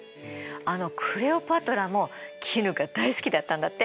あのクレオパトラも絹が大好きだったんだって。